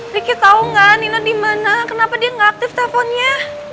ricky tahu nggak nina di mana kenapa dia nggak aktif teleponnya